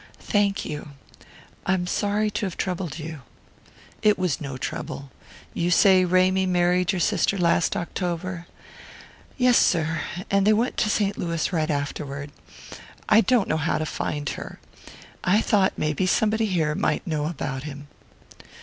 "Thank you. I'm sorry to have troubled you." "It was no trouble. You say Ramy married your sister last October?" "Yes, sir; and they went to St. Louis right afterward. I don't know how to find her. I thought maybe somebody here might know about him."